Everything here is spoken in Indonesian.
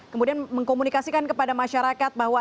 kemudian mengkomunikasikan kepada masyarakat bahwa